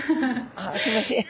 ああすいません。